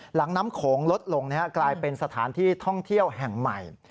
หลังน้ำโขงลดลงกลายเป็นสถานที่ท่องเที่ยวแห่งใหม่